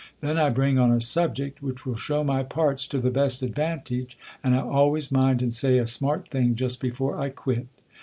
Then I bring on a subject which will show my parts to the best advantage; and I always mind and sov a j^mart thing just before I quit.